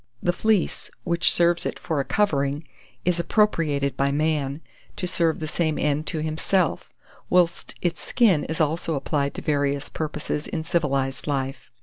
The fleece, which serves it for a covering, is appropriated by man, to serve the same end to himself, whilst its skin is also applied to various purposes in civilized life.